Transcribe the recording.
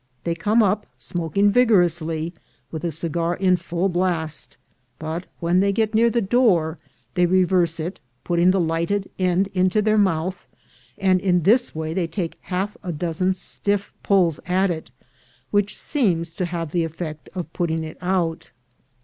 They come up smoking vigorously, with a cigar in full blast, but, when they get near the door, they reverse it, putting the lighted end into their mouth, and in this way they take half a dozen stiff pulls at it, which seems to have the effect of putting it out.